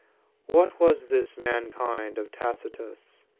What was this mankind of Tacitus?